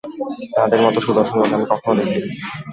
তাদের মত সুদর্শন লোক আমি কখনও দেখিনি।